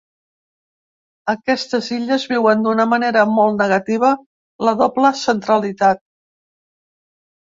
Aquestes illes viuen d’una manera molt negativa la doble centralitat.